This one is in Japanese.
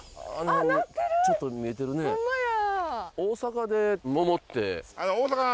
あっホンマや。